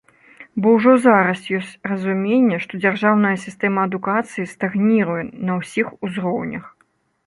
Бо ўжо зараз ёсць разуменне, што дзяржаўная сістэма адукацыі стагніруе на ўсіх узроўнях.